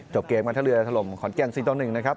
จบเกมกันทะเลือร์ทะลมขอนแกน๔๑นะครับ